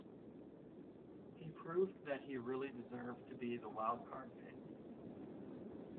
He proved that he really deserved to be the wild card pick.